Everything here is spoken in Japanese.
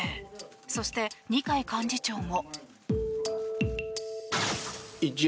そして、二階幹事長も。